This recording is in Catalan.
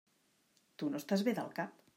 Tu no estàs bé del cap!